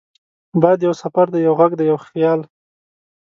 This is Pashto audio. باد یو سفر دی، یو غږ دی، یو خیال